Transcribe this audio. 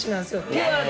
ピュアで。